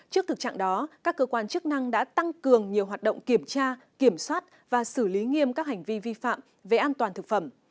trước thực trạng đó các cơ quan chức năng đã tăng cường nhiều hoạt động kiểm tra kiểm soát và xử lý nghiêm các hành vi vi phạm về an toàn thực phẩm